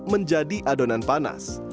menjadi adonan panas